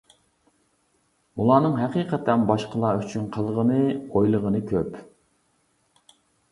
ئۇلارنىڭ ھەقىقەتەن باشقىلار ئۈچۈن قىلغىنى، ئويلىغىنى كۆپ.